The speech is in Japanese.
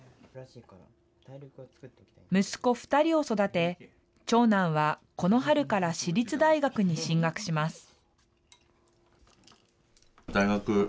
息子２人を育て、長男はこの春から私立大学に進学します。